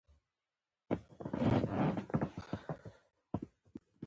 څو لیکونه تبادله کړل.